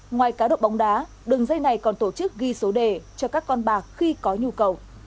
ngoài cá độ bóng đá đường dây này còn tổ chức ghi số đề cho các con bạc khi có nhu cầu